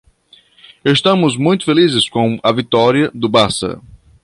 Estamos muito felizes com a vitória do Barça.